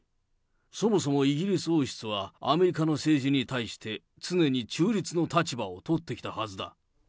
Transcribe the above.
そもそもイギリス王室はアメリカの政治に対して、常に中立の立場を取ってきたはずだ。